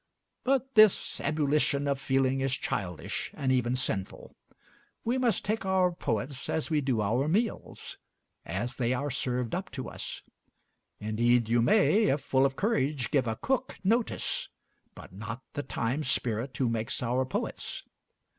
But this ebullition of feeling is childish and even sinful. We must take our poets as we do our meals as they are served up to us. Indeed, you may, if full of courage, give a cook notice, but not the time spirit who makes our poets.